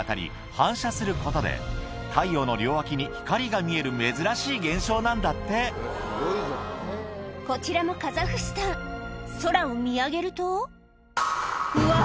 反射することで太陽の両脇に光が見える珍しい現象なんだってこちらもカザフスタン空を見上げるとうわ！